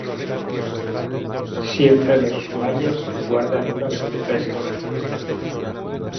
Siempre los valles guardan una sorpresa.